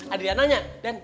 ada dia nanya